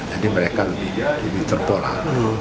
jadi mereka lebih terpolak